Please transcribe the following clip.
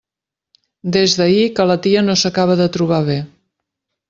Des d'ahir que la tia no s'acaba de trobar bé.